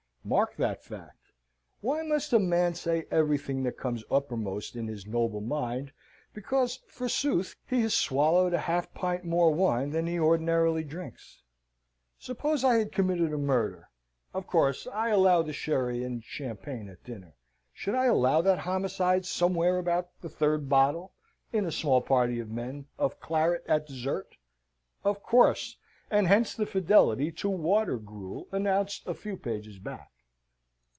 Mark that fact. Why must a man say everything that comes uppermost in his noble mind, because, forsooth, he has swallowed a half pint more wine than he ordinarily drinks? Suppose I had committed a murder (of course I allow the sherry, and champagne at dinner), should I announce that homicide somewhere about the third bottle (in a small party of men) of claret at dessert? Of course: and hence the fidelity to water gruel announced a few pages back.